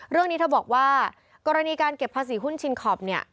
เรื่องนี้เธอบอกว่ากรณีการเก็บภาษีหุ้นชินคอปเนี่ย